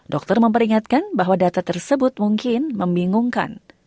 dokter memperingatkan bahwa data tersebut mungkin membingungkan